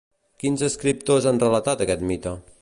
Quins escriptors han relatat aquest mite?